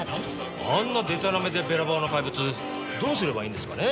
あんなでたらめでべらぼうな怪物どうすればいいんですかね？